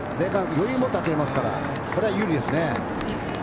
余裕を持って走れますからこれは有利ですね。